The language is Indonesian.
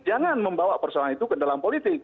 jangan membawa persoalan itu ke dalam politik